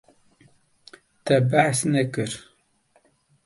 Te behs nekir.